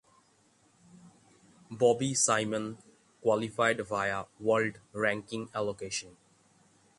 Bobi Simion qualified via World Ranking allocation.